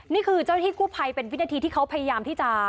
นี่คือเจ้าหน้าที่กู้ภัยเป็นวินาทีที่เขาพยายามที่จะ